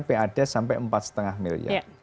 pad sampai empat lima miliar